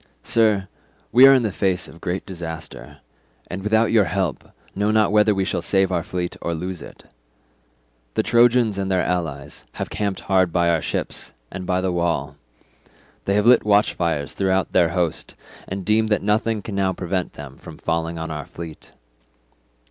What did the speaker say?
Sir, we are in the face of great disaster, and without your help know not whether we shall save our fleet or lose it. The Trojans and their allies have camped hard by our ships and by the wall; they have lit watchfires throughout their host and deem that nothing can now prevent them from falling on our fleet.